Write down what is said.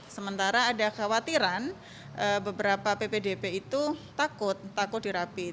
sementara ada kekhawatiran beberapa ppdp itu takut takut di rapid